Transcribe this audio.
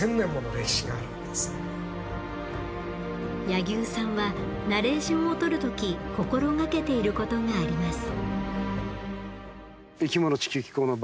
柳生さんはナレーションをとる時心がけていることがあります。